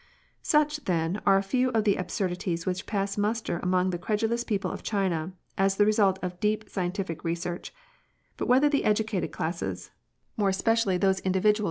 Such, then, are a few of the absurdities which pass muster among the credulous people of China as the result of deep scientific research ; but whether the educated classes — more especially those individuals INQUESTS.